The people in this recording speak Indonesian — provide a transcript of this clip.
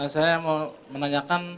saya mau menanyakan